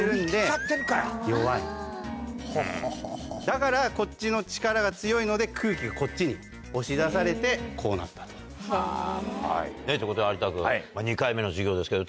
だからこっちの力が強いので空気がこっちに押し出されてこうなったと。ということで有田君。